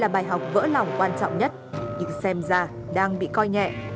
bài học vỡ lòng quan trọng nhất được xem ra đang bị coi nhẹ